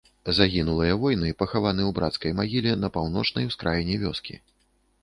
Загінулыя воіны пахаваны ў брацкай магіле на паўночнай ускраіне вёскі.